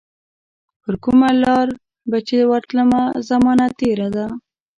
پرکومه لار به چي ورتلمه، زمانه تیره ده